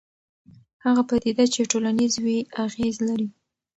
هغه پدیده چې ټولنیز وي اغېز لري.